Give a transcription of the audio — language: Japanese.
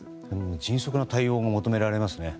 迅速な対応が求められますね。